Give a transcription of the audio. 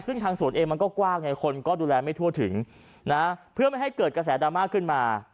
ซึ่งทางสวนเองมันก็กว้างไงคนก็ดูแลไม่ทั่วถึงนะเพื่อไม่ให้เกิดกระแสดราม่าขึ้นมา